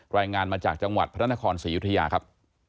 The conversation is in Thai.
รายงานมาจากจังหวัดพระนครศรียุธยาครับ